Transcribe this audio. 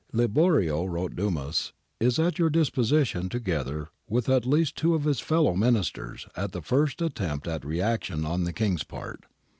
^' Liborio,' wrote Dumas, * is at your disposition, together with at least two of his fellow Ministers, at the first attempt at reaction on the King's part.